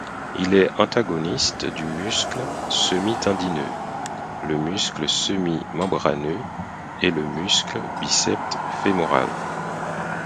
Il est antagoniste du muscle semi-tendineux, le muscle semi-membraneux et le muscle biceps fémoral.